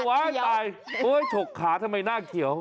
ว้ายว่ะชกขาทำไมหน้าเกียว